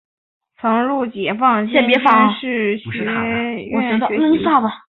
曾入解放军军事学院学习。